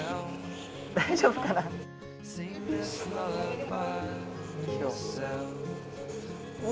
大丈夫かなあ。